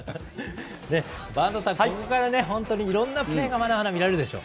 播戸さん、ここから本当にいろんなプレーがまだまだ見られるでしょう。